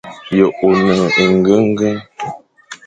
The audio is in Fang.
Ye one engengen?